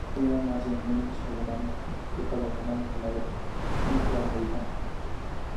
Briana nace en Múnich, Alemania, de padre alemán y de madre italoamericana.